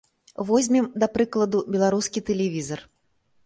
Возьмем, да прыкладу, беларускі тэлевізар.